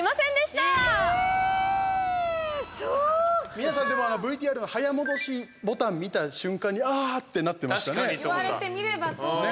皆さん、でもＶＴＲの早戻しボタン見た瞬間にあーってなってましたね。